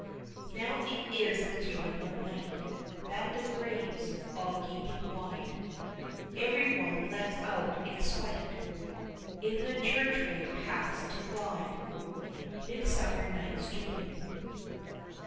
Now it is the time of night That the graves, all gaping wide, Every one lets out its sprite, In the church way paths to glide. MIDSUMMER NIGHT'S DREAM.